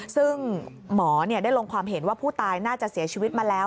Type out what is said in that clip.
ซึ่งหมอได้ลงความเห็นว่าผู้ตายน่าจะเสียชีวิตมาแล้ว